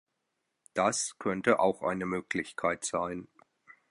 Das könnte auch eine Möglichkeit sein.